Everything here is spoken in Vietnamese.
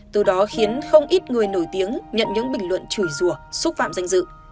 từ đó khiến không ít người nổi tiếng nhận những bình luận chùi rùa xúc phạm danh dự